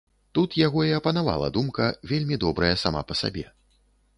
Тут яго і апанавала думка, вельмі добрая сама па сабе.